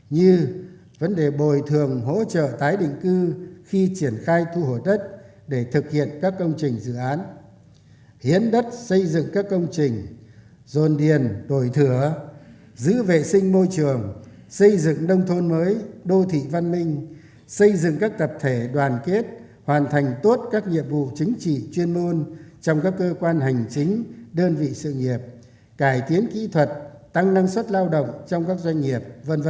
như vấn đề bồi thường hỗ trợ tái định cư khi triển khai thu hồ đất để thực hiện các công trình dự án hiến đất xây dựng các công trình dồn điền đổi thửa giữ vệ sinh môi trường xây dựng đông thôn mới đô thị văn minh xây dựng các tập thể đoàn kết hoàn thành tốt các nhiệm vụ chính trị chuyên môn trong các cơ quan hành chính đơn vị sự nghiệp cải tiến kỹ thuật tăng năng suất lao động trong các doanh nghiệp